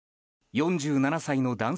４７歳の男性